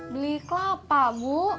beli kelapa bu